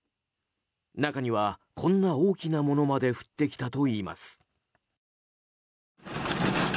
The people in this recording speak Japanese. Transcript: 中には、こんな大きなものまで降ってきたといいます。